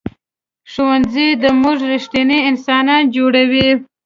ښوونځی له موږ ریښتیني انسانان جوړوي